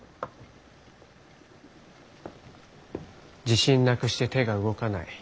自信なくして手が動かない。